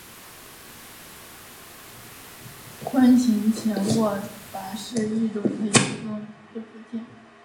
宽型前握把是一种可以提供类似垂直前握把功能的前握把类枪械附件。